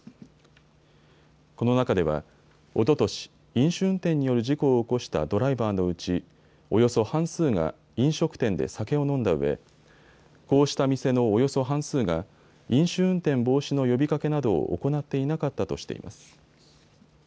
この中では、おととし、飲酒運転による事故を起こしたドライバーのうちおよそ半数が飲食店で酒を飲んだうえこうした店のおよそ半数が飲酒運転防止の呼びかけなどを行っていなかったとしています。